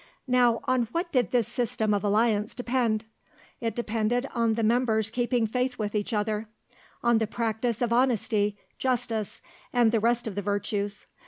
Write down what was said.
Now on what did this system of alliance depend? It depended on the members keeping faith with each other, on the practice of honesty, justice, and the rest of the virtues.